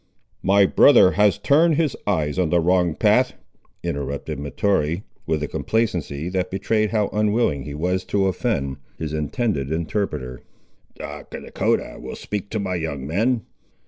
"My brother has turned his eyes on the wrong path," interrupted Mahtoree, with a complacency that betrayed how unwilling he was to offend his intended interpreter. "The Dahcotah will speak to my young men?"